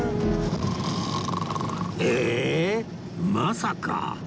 ええ？まさか